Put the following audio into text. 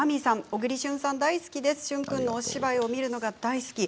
小栗さん大好きです、旬君のお芝居を見るのが大好き。